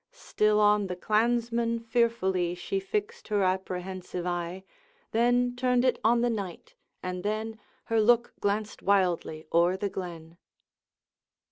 Still on the Clansman fearfully She fixed her apprehensive eye, Then turned it on the Knight, and then Her look glanced wildly o'er the glen.